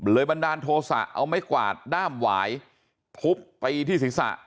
เลยบันดาลโฆษะเอาไม้กวาดด้ามหวายพบไปที่ศิษย์ศะ